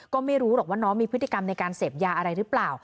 ก็ไม่รู้หรอกว่าน้องมีพฤติกรรมในการเสพยาอะไรหรือเปล่า